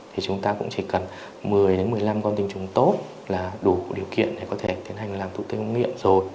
thì chúng ta cũng chỉ cần một mươi một mươi năm con tình trùng tốt là đủ điều kiện để có thể tiến hành làm thụ tinh miệng rồi